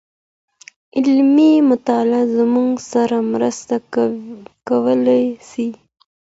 علمي مطالعه زموږ سره مرسته کولای سي.